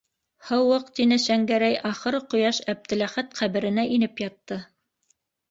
Һыуыҡ, - тине Шәңгәрәй, - ахыры ҡояш Әптеләхәт ҡәберенә инеп ятты.